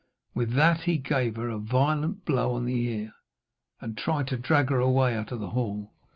With that he gave her a violent blow on the ear, and tried to drag her away out of the hall.